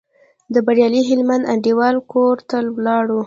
د بریالي هلمند انډیوال کور ته ولاړو.